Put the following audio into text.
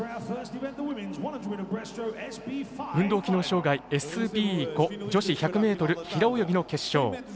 運動機能障がいＳＢ５女子１００ｍ平泳ぎの決勝。